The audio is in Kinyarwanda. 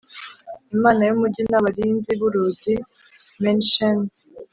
imana y’umugi n’abarinzi b’urugi (men shen).